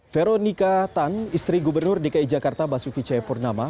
veronica tan istri gubernur dki jakarta basuki ceyapurnama